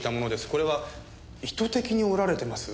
これは意図的に折られてます。